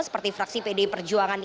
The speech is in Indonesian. seperti fraksi pdi perjuangan